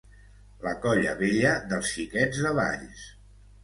La Colla Vella dels Xiquets de Valls